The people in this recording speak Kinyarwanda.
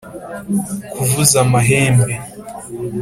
kuvuza amahembe.